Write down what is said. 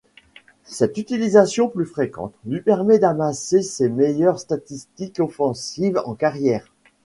Cette utilisation plus fréquente lui permet d'amasser ses meilleures statistiques offensives en carrière.